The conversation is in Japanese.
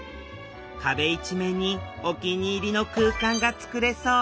壁一面にお気に入りの空間が作れそう！